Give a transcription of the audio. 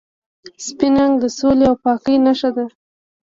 سپین رنګ د سولې او پاکۍ نښه ده.